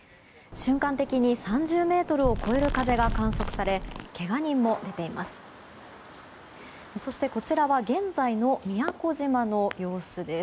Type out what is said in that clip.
瞬間的に３０メートルを超える風が観測されけが人も出ています。